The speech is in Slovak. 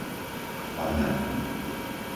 Pavľany